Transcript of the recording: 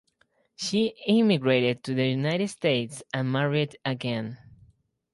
She emigrated to the United States and married again.